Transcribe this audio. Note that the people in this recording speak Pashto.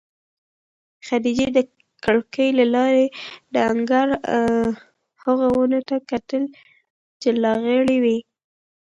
خدیجې د کړکۍ له لارې د انګړ هغو ونو ته کتل چې لغړې وې.